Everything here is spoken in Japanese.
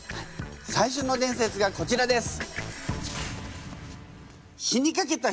最初の伝説がこちらです。